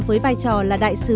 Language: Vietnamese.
trong một phát triển báo cáo